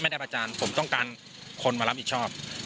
ไม่ได้ประจานผมก็ต้องการคนมารับผิดความชอบ